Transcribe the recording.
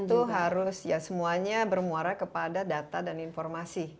itu harus ya semuanya bermuara kepada data dan informasi